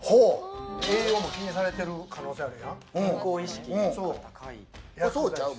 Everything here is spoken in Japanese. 栄養を気にされてる可能性もある。